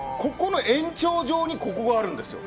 延長上にここがあるんですよ。